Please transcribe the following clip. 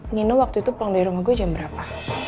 nino waktu itu pulang dari rumah gue jam berapa